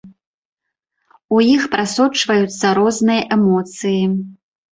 У іх прасочваюцца розныя эмоцыі.